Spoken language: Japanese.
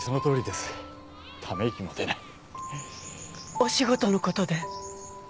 お仕事のことで？